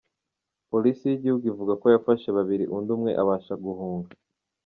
Polisi y’iki gihugu ivuga ko yafashe babiri undi umwe abasha guhunga.